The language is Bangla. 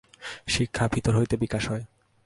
শিক্ষা ভিতর হইতে বিকাশ হয়।